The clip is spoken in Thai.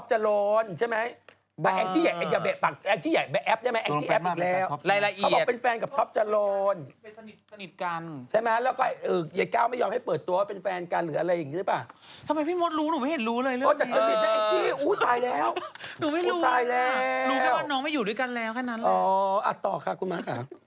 หนูไม่รู้รู้แค่ว่าน้องไม่อยู่ด้วยกันแล้วแค่นั้นแหละอ๋ออ่ะต่อค่ะคุณมันค่ะ